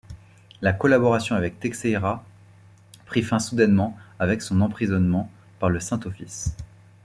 La collaboration avec Teixeira prit fin soudainement, avec son emprisonnement par le Saint-Office.